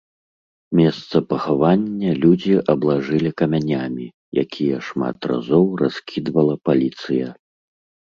Месца пахавання людзі аблажылі камянямі, якія шмат разоў раскідвала паліцыя.